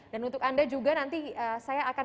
dan untuk anda juga nanti saya akan